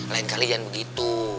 lain kali jangan begitu